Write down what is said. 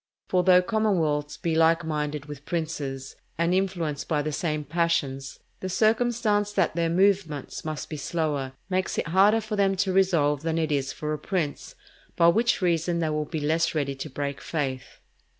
For though commonwealths be like minded with princes, and influenced by the same passions, the circumstance that their movements must be slower, makes it harder for them to resolve than it is for a prince, for which reason they will be less ready to break faith.